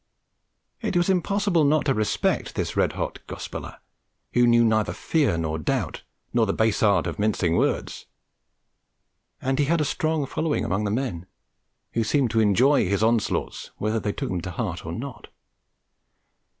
It was impossible not to respect this red hot gospeller, who knew neither fear nor doubt, nor the base art of mincing words; and he had a strong following among the men, who seemed to enjoy his onslaughts, whether they took them to heart or not.